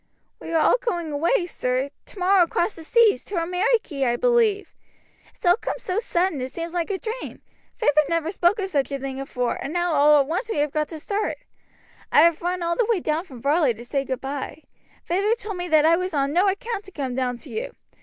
"We are all going away, sir, tomorrow across the seas, to Ameriky I believe. It's all come so sudden it seems like a dream, Feyther never spoke of such a thing afore, and now all at once we have got to start. I have run all the way down from Varley to say goodby. Feyther told me that I wasn't on no account to come down to you.